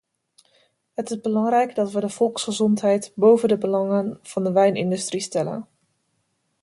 Het is belangrijk dat we de volksgezondheid boven de belangen van de wijnindustrie stellen.